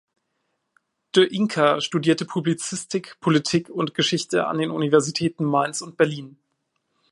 D’Inka studierte Publizistik, Politik und Geschichte an den Universitäten Mainz und Berlin.